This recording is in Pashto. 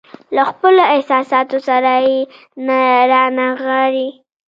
له خپلو احساساتو سره يې رانغاړي.